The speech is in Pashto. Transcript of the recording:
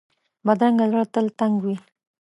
بدرنګه زړه تل تنګ وي